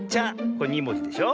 これ２もじでしょ。